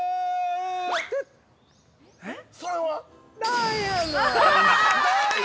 ◆それは？